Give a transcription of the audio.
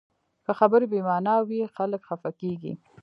که خبرې بې معنا وي، خلک خفه کېږي